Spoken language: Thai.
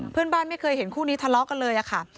เพื่อนบ้านไม่เคยเห็นคู่นี้ทะเลาะกันเลย